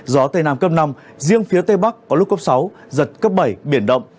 gió tây nam cấp năm riêng phía tây bắc có lúc cấp sáu giật cấp bảy biển động